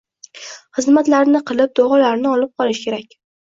xizmatlarini qilib, duolarini olib qolish kerak.